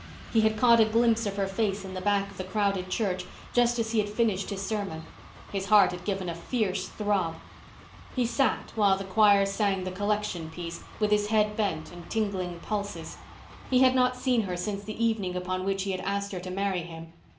He had caught a glimpse of her face in the back of the crowded church, just as he had finished his sermon. His heart had given a fierce throb. He sat while the choir sang the "collection piece," with his bent head and tingling pulses. He had not seen her since the evening upon which he had asked her to marry him.